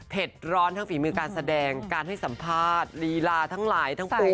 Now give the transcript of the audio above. ร้อนทั้งฝีมือการแสดงการให้สัมภาษณ์ลีลาทั้งหลายทั้งปวง